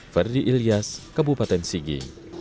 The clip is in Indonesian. verdi ilyas kabupaten sigi